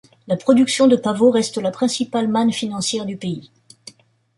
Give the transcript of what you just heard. La production de pavot reste la principale manne financière du pays.